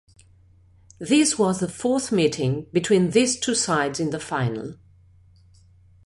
This was the fourth meeting between these two sides in the final.